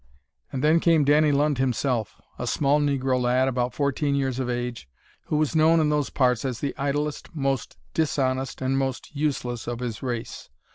And then came Danny Lund himself, a small negro lad about fourteen years of age, who was known in those parts as the idlest, most dishonest, and most useless of his race.